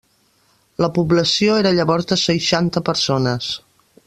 La població era llavors de seixanta persones.